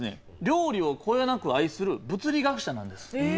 料理をこよなく愛する物理学者なんです。